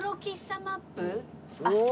うわ！